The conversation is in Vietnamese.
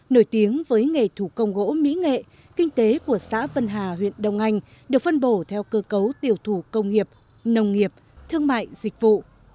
nổi tiếng với nghề thủ công gỗ mỹ nghệ kinh tế của xã vân hà huyện đông anh được phân bổ theo cơ cấu tiểu thủ công nghiệp nông nghiệp thương mại dịch vụ